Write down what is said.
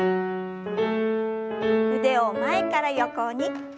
腕を前から横に。